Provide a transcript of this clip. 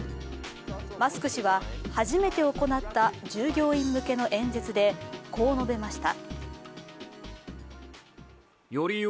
マスク氏は、初めて行った従業員向けの演説でこう、述べました。